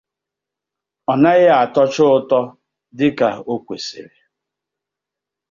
ọnaghị atọcha ụtọ dịka o kwesịrị